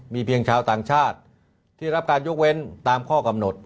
มีเพียงชาวต่างชาติที่รับการยกเว้นตามข้อกำหนด